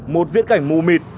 một viễn cảnh mù mịt